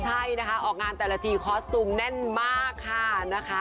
ใช่นะคะออกงานแต่ละทีคอสตูมแน่นมากค่ะนะคะ